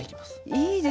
いいですね。